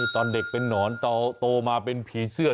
ตอนเด็กเป็นนอนโตมาเป็นผีเสื้อ